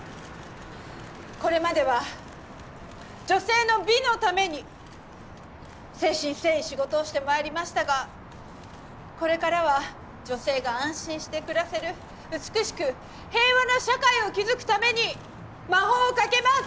これまでは女性の美のために誠心誠意仕事をしてまいりましたがこれからは女性が安心して暮らせる美しく平和な社会を築くために魔法をかけます！